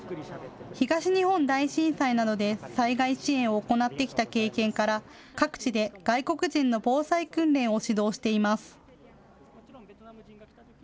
東日本大震災などで災害支援を行ってきた経験から各地で外国人の防災訓練を指導しています。